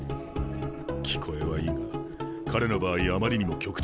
聞こえはいいが彼の場合あまりにも極端すぎる。